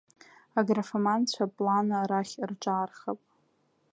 Агрофоманцәа планы арахь рҿаархап.